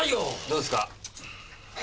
どうですか？